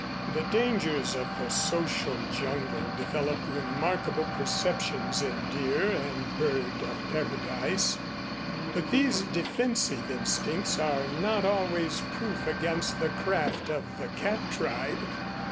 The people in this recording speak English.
The dangers of the social jungle develop remarkable perceptions in deer and bird of paradise, but these defensive instincts are not always proof against the craft of the cat tribe.